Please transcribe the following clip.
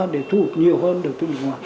để thu hút nhiều hơn đối thủ nước ngoài